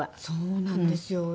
そうなんですよ。